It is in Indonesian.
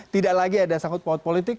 tidak lagi ada sangkut paut politik